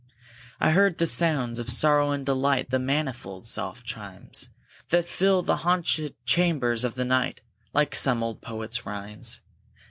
I heard the sounds of sorrow and delight, The manifold, soft chimes, That fill the haunted chambers of the Night Like some old poet's rhymes.